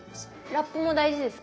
ラップも大事ですか？